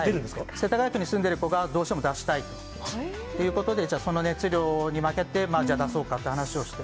世田谷区に住んでる子がどうしても出したいということで、その熱量に負けて、じゃあ、出そうかって話をして。